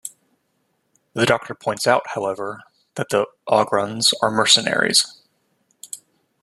The Doctor points out, however, that the Ogrons are mercenaries.